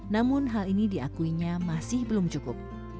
namun hal ini diakuinya masih belum cukup